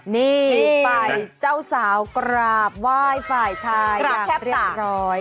นี่ไปเจ้าสาวกราบไหว้ฝ่ายชายอย่างเรียบร้อย